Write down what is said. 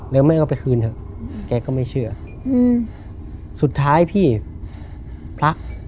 แล้วแม่ก็ไปคืนเถอะแกก็ไม่เชื่ออืมสุดท้ายพี่พระ